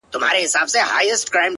• چي خاوند به له بازاره راغی کورته,